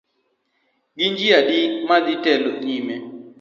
Gin ji adi madhi telo nyime?